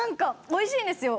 おいしいんですよ。